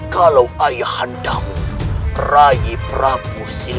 kalau ayah handamu rai prabu silwangi